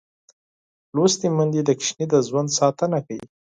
لوستې میندې د ماشوم د ژوند ساتنه کوي.